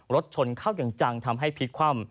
รถชนเข้าอย่างจังทำให้พลิกคว่ำ